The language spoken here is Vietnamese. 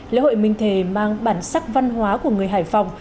lễ hội minh thề mang bản sắc văn hóa của người hải phòng